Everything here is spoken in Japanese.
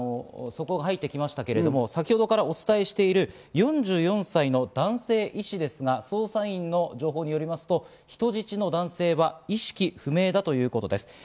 先ほどからお伝えしている４４歳の男性医師ですが、捜査員の情報によりますと人質の男性は意識不明だということです。